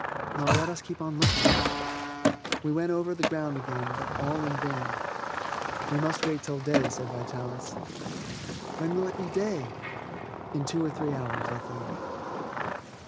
"Well, let us keep on looking." We went over the ground again, but all in vain. "We must wait till day," said Vitalis. "When will it be day?" "In two or three hours, I think."